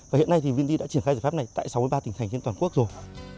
và hiện nay thì vindy đã triển khai giải pháp này tại sáu mươi ba tỉnh thành trên toàn quốc rồi